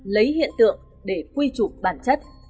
lấy hiện tượng để quy trụ bản chất